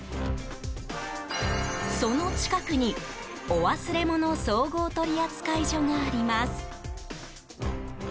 その近くにお忘れ物総合取扱所があります。